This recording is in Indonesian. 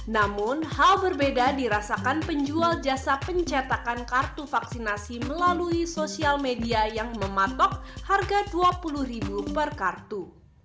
namun hal berbeda dirasakan penjual jasa pencetakan kartu vaksinasi melalui sosial media yang mematok harga rp dua puluh per kartu